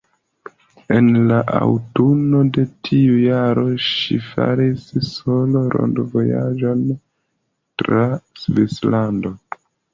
En la aŭtuno de tiu jaro ŝi faris solo-rondvojaĝon tra Svislando.